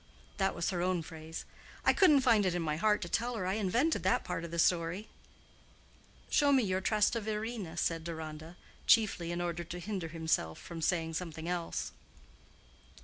That was her own phrase. I couldn't find it in my heart to tell her I invented that part of the story." "Show me your Trasteverina," said Deronda, chiefly in order to hinder himself from saying something else.